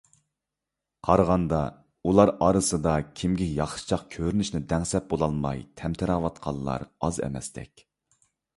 قارىغاندا، ئۇلار ئارىسىدا كىمگە ياخشىچاق كۆرۈنۈشنى دەڭسەپ بولالماي تەمتىرەۋاتقانلار ئاز ئەمەستەك.